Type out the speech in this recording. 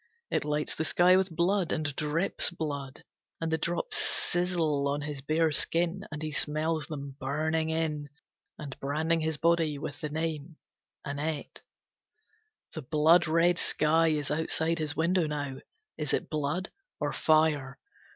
It lights the sky with blood, and drips blood. And the drops sizzle on his bare skin, and he smells them burning in, and branding his body with the name "Annette". The blood red sky is outside his window now. Is it blood or fire?